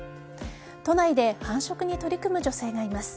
都内で繁殖に取り組む女性がいます。